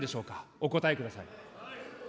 お答えください。